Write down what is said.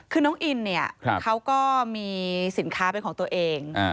คือน้องอินเนี่ยเขาก็มีสินค้าเป็นของตัวเอง